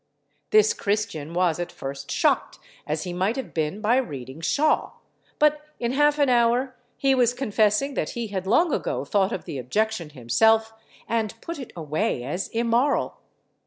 This Christian was at first shocked as he might have been by reading Shaw, but in half an hour he was confessing that he had long ago thought of the objection himself, and put it away as immoral.